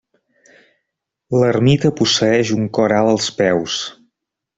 L'ermita posseeix un cor alt als peus.